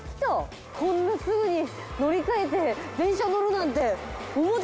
こんなすぐに乗り換えて電車乗るなんて思ってなかった。